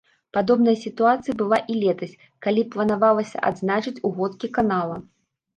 Падобная сітуацыя была і летась, калі планавалася адзначыць угодкі канала.